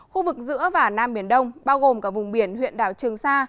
khu vực giữa và nam biển đông bao gồm cả vùng biển huyện đảo trường sa